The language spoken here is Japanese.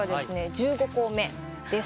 １５校目です。